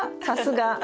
さすが。